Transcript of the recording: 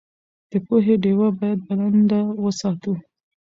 د پوهې ډېوه باید بلنده وساتو.